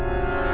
aku mau lihat